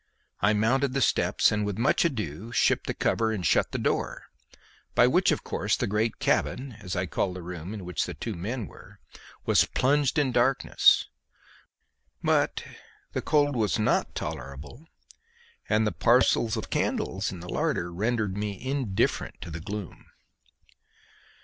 I mounted the steps, and with much ado shipped the cover and shut the door, by which of course the great cabin, as I call the room in which the two men were, was plunged in darkness; but the cold was not tolerable, and the parcels of candles in the larder rendered me indifferent to the gloom.